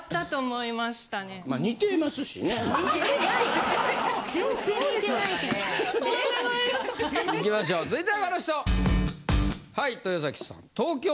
いきましょう続いてはこの人。